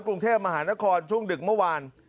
กรุงเทพมหานครช่วงดึกเมื่อวาน